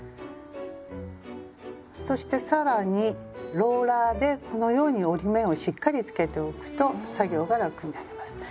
そして更にローラーでこのように折り目をしっかりつけておくと作業が楽になります。